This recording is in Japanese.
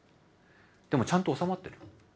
でもちゃんと収まってる。